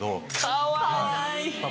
かわいい！